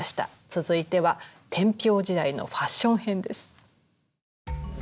続いては天平時代のファッション編です。